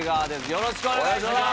よろしくお願いします。